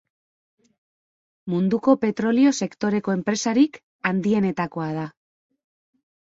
Munduko petrolio sektoreko enpresarik handienetakoa da.